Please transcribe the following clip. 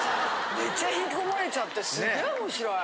めっちゃ引き込まれちゃってすげえ面白い。